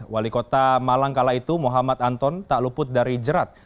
wali kota malang kala itu muhammad anton tak luput dari jerat